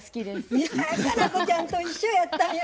いや佳菜子ちゃんと一緒やったんや。